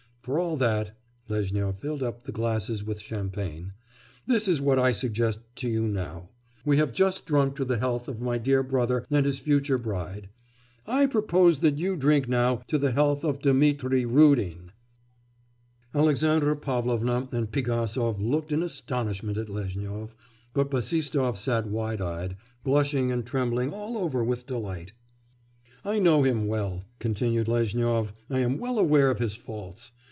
For all that (Lezhnyov filled up the glasses with champagne) this is what I suggest to you now; we have just drunk to the health of my dear brother and his future bride; I propose that you drink now to the health of Dmitri Rudin!' Alexandra Pavlovna and Pigasov looked in astonishment at Lezhnyov, but Bassistoff sat wide eyed, blushing and trembling all over with delight. 'I know him well,' continued Lezhnyov, 'I am well aware of his faults.